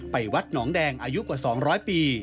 วัดหนองแดงอายุกว่า๒๐๐ปี